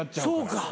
そうか。